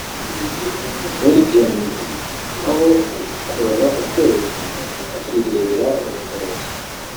Reytjens aho kurora ukwezi akirebera urutoki